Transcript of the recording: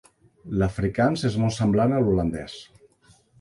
L'afrikaans és molt semblant a l'holandès.